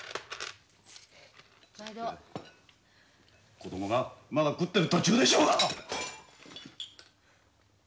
子供がまだ食ってる途中でしょうが！